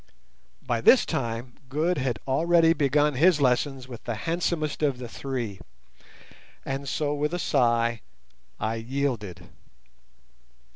By this time Good had already begun his lessons with the handsomest of the three, and so with a sigh I yielded.